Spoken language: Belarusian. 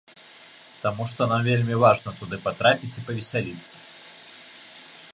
Таму што нам вельмі важна туды патрапіць і павесяліцца.